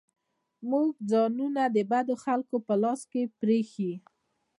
موږ ځانونه د بدو خلکو په لاس کې پرېښي.